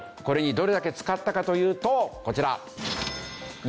これにどれだけ使ったかというとこちら。